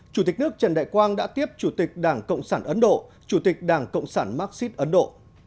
chủ tịch nước trần đại quang đã tiếp chủ tịch đảng cộng sản ấn độ chủ tịch đảng cộng sản marxist ấn độ